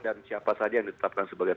dan siapa saja yang ditetapkan sebagai